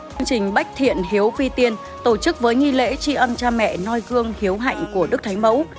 chương trình bách thiện hiếu vi tiên tổ chức với nghi lễ tri ân cha mẹ nôi gương hiếu hạnh của đức thái mẫu